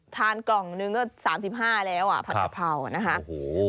ทานกล่องนึงก็๓๕แล้วอ่ะผัดกะเพรานะคะโอ้โห